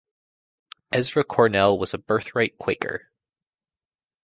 Ezra Cornell was a birthright Quaker.